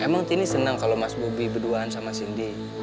emang tini senang kalau mas bobi berduaan sama cindy